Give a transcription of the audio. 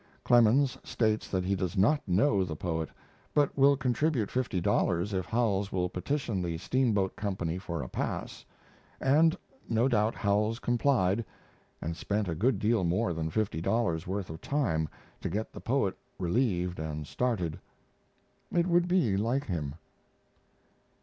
Clemens states that he does not know the poet, but will contribute fifty dollars if Howells will petition the steamboat company for a pass; and no doubt Howells complied, and spent a good deal more than fifty dollars' worth of time to get the poet relieved and started; it would be like him.